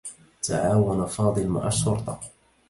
تعاون فاضل مع الشرطة.